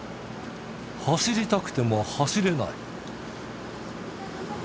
走りたくても走れない。